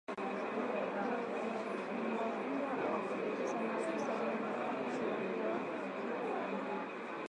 Kufumbafumba au kupepesa macho sana na kucheua kutafunatafuna kwa haraka